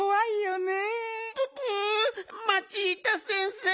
ププマチータ先生